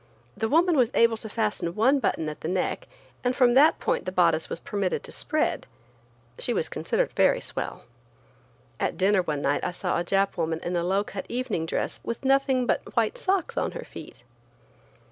The woman was able to fasten one button at the neck, and from that point the bodice was permitted to spread. She was considered very swell. At dinner one night I saw a "Jap" woman in a low cut evening dress, with nothing but white socks on her feet.